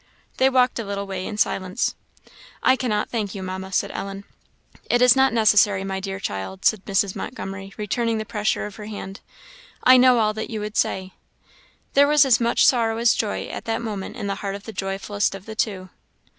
They walked a little way in silence. "I cannot thank you, Mamma," said Ellen. "It is not necessary, my dear child," said Mrs. Montgomery, returning the pressure of her hand; "I know all that you would say." There was as much sorrow as joy at that moment in the heart of the joyfullest of the two.